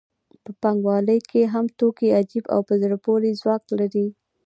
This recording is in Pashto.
په پانګوالۍ کې هم توکي عجیب او په زړه پورې ځواک لري